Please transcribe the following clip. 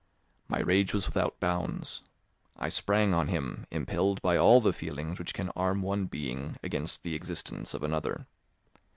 My rage was without bounds; I sprang on him, impelled by all the feelings which can arm one being against the existence of another.